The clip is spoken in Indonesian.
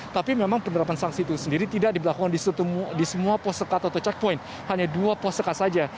tapi memang penerapan sanksi itu sendiri tidak diberlakukan di semua pos sekat atau checkpoint hanya dua pos sekat saja